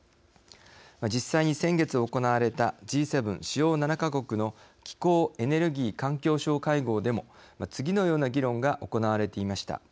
実際に、先月行われたＧ７主要７か国の気候・エネルギー・環境相会合でも次のような議論が行われていました。